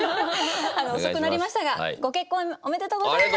遅くなりましたがご結婚おめでとうございます！